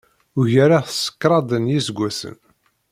Ugareɣ-t s kraḍ n yiseggasen.